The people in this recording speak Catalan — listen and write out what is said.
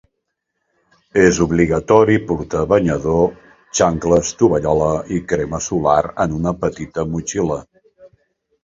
És obligatori portar banyador, xancles, tovallola i crema solar en una petita motxilla.